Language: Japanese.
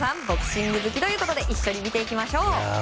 ボクシング好きということで一緒に見ていきましょう。